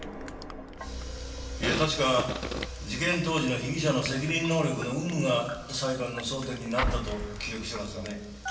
いや確か事件当時の被疑者の責任能力の有無が裁判の争点になったと記憶してますがね。